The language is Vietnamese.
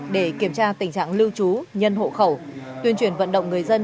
để kiểm tra tình trạng lưu trú nhân hộ khẩu tuyên truyền vận động người dân